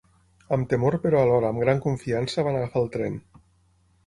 Amb temor però alhora amb gran confiança van agafar el tren.